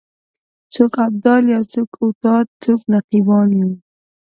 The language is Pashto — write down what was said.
څوک ابدال یو څوک اوتاد څوک نقیبان یو